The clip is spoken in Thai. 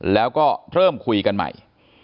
แล้วก็เริ่มคุยกันใหม่